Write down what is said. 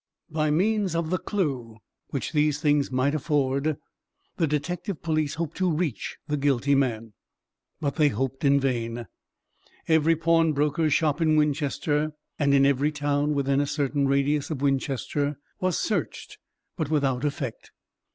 By means of the clue which these things might afford, the detective police hoped to reach the guilty man. But they hoped in vain. Every pawnbroker's shop in Winchester, and in every town within a certain radius of Winchester, was searched, but without effect.